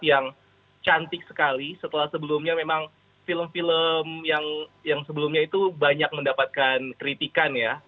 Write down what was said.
yang cantik sekali setelah sebelumnya memang film film yang sebelumnya itu banyak mendapatkan kritikan ya